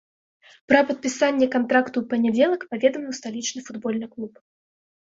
Пра падпісанне кантракту ў панядзелак паведаміў сталічны футбольны клуб.